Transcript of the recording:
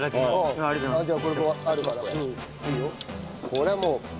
これはもう。